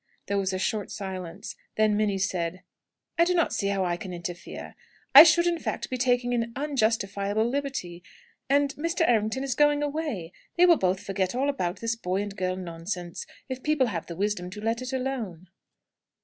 There was a short silence. Then Minnie said: "I do not see how I can interfere. I should, in fact, be taking an unjustifiable liberty, and Mr. Errington is going away. They will both forget all about this boy and girl nonsense, if people have the wisdom to let it alone."